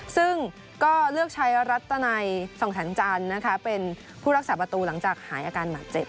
ซึ่งก็เลือกใช้รัตนัยส่องแสงจันทร์นะคะเป็นผู้รักษาประตูหลังจากหายอาการบาดเจ็บ